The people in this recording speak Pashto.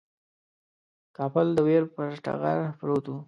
کابل د ویر پر ټغر پروت وو.